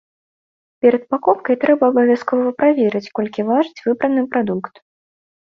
Перад пакупкай трэба абавязкова праверыць, колькі важыць выбраны прадукт.